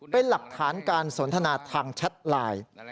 เป็นหลักฐานการสนทนาทางแชทไลน์